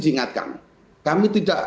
diingatkan kami tidak